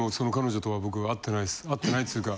会ってないっつうか。